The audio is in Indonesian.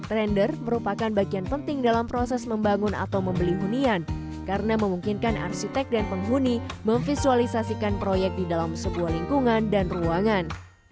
trander merupakan bagian penting dalam proses membangun atau membeli hunian karena memungkinkan arsitek dan penghuni memvisualisasikan proyek di dalam sebuah lingkungan dan ruangan